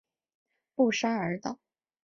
布沙尔岛。